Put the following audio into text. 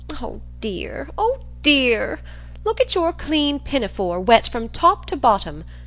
Oh dear, oh dear! look at your clean pinafore, wet from top to bottom.